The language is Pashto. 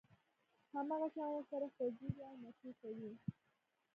هماغه شان ورسره خوځېږي او مچو کوي.